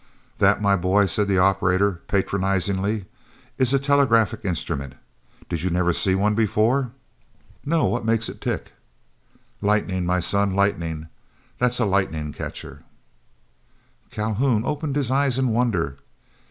"That, my boy," said the operator, patronizingly, "is a telegraphic instrument. Did you never see one before?" "No. What makes it tick?" "Lightning, my son, lightning; that's a lightning catcher." Calhoun opened his eyes in wonder.